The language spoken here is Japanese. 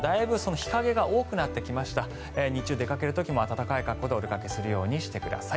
日中出かける時も暖かい格好で出かけるようにしてください。